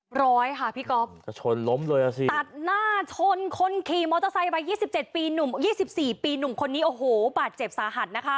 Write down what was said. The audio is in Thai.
ร้อยค่ะพี่ก๊อฟจะชนล้มเลยอ่ะสิตัดหน้าชนคนขี่มอเตอร์ไซค์วัย๒๗ปีหนุ่มยี่สิบสี่ปีหนุ่มคนนี้โอ้โหบาดเจ็บสาหัสนะคะ